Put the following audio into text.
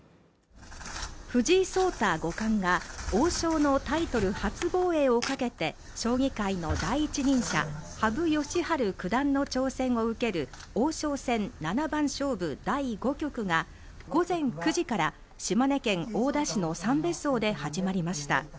藤井聡太五冠が王将のタイトル初防衛をかけて将棋界の第一人者羽生善治九段の挑戦を受ける王将戦七番勝負第５局が午前９時から島根県大田市のさんべ荘で始まりました